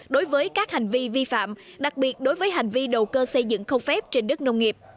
đối với các hành vi vi phạm đặc biệt đối với hành vi đầu cơ xây dựng không phép trên đất nông nghiệp